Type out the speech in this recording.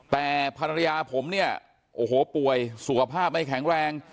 แต่ภรรยาผมเนี่ยโอ้โหป่วยสุขภาพไม่แข็งแรง